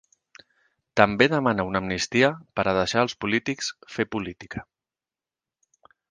També demana una amnistia per a deixar als polítics ‘fer política’.